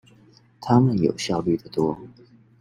他們有效率的多